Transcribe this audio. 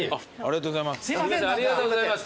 ありがとうございます。